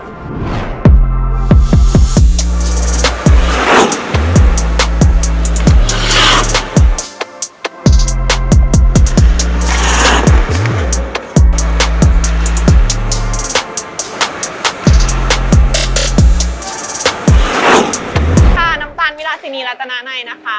สวัสดีค่ะน้ำตาลวิลาซินีรัตนานัยนะคะ